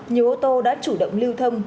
nhiều ô tô đã chủ động lưu thông